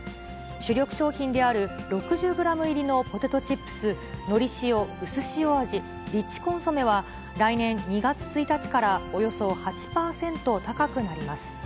主力商品である６０グラム入りのポテトチップス、のり塩、うすしお味、リッチコンソメは、来年２月１日からおよそ８％高くなります。